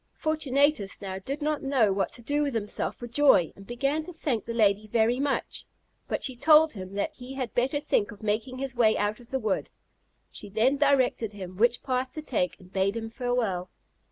Fortunatus now did not know what to do with himself for joy, and began to thank the lady very much; but she told him that he had better think of making his way out of the wood. She then directed him which path to take, and bade him farewell.